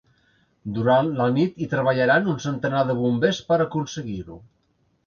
Durant la nit hi treballaran un centenar de bombers per a aconseguir-ho.